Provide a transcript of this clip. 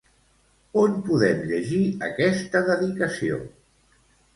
On podem llegir aquesta dedicació?